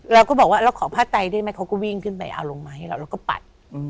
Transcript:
เราก็บอกว่าเราขอผ้าไตได้ไหมเขาก็วิ่งขึ้นไปเอาลงมาให้เราแล้วก็ปัด